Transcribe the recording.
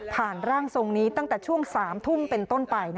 ร่างทรงนี้ตั้งแต่ช่วง๓ทุ่มเป็นต้นไป